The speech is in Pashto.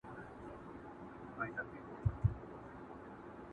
چي اَیینه وي د صوفي او میخوار مخ ته،